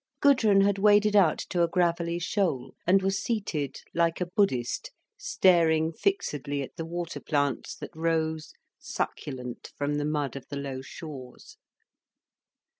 Gudrun had waded out to a gravelly shoal, and was seated like a Buddhist, staring fixedly at the water plants that rose succulent from the mud of the low shores.